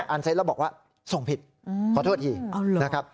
อันเซ็นต์แล้วบอกว่าส่งผิดขอโทษอีก